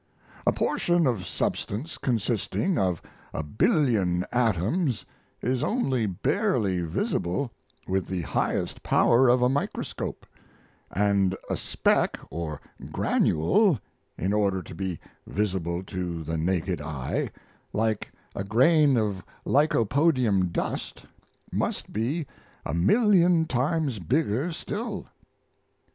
A portion of substance consisting, of a billion atoms is only barely visible with the highest power of a microscope; and a speck or granule, in order to be visible to the naked eye, like a grain of lycopodium dust, must be a million times bigger still."